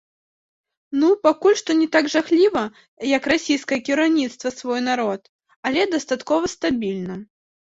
Ну пакуль што не так жахліва, як расійскае кіраўніцтва свой народ, але дастаткова стабільна.